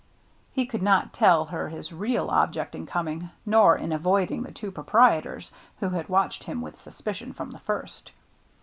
He could not tell her his real ob ject in coming, nor in avoiding the two pro prietors, who had watched him with suspicion from the first.